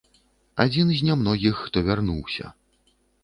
Адзін з нямногіх, хто вярнуўся.